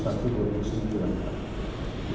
jadi terhadap istimewa yang terkena